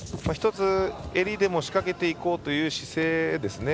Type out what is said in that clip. １つ襟でもしかけていこうという姿勢ですね。